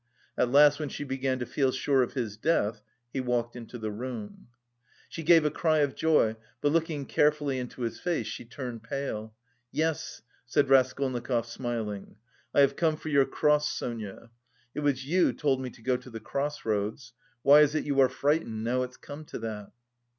At last when she began to feel sure of his death he walked into the room. She gave a cry of joy, but looking carefully into his face she turned pale. "Yes," said Raskolnikov, smiling. "I have come for your cross, Sonia. It was you told me to go to the cross roads; why is it you are frightened now it's come to that?"